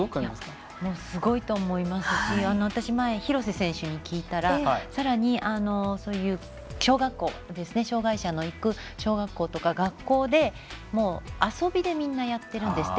すごいと思いますし私、前、廣瀬選手に聞いたらさらにそういう障がい者のいく小学校とか学校で遊びでみんなやってるんですって。